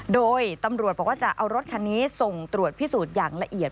โดยตำรวจบอกว่าจะเอารถคันนี้ส่งตรวจพิสูจน์อย่างละเอียด